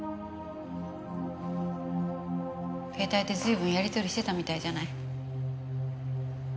携帯で随分やり取りしてたみたいじゃない。